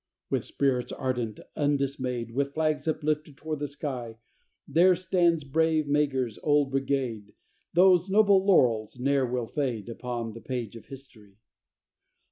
With spirits ardent, undismayed, With flags uplifted toward the sky, There stands brave Meagher's old brigade Those noble laurels ne'er will fade Upon the page of history.